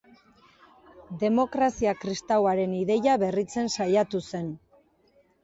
Demokrazia kristauaren ideia berritzen saiatu zen.